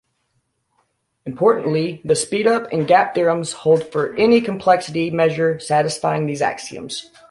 Importantly, the Speedup and Gap theorems hold for any complexity measure satisfying these axioms.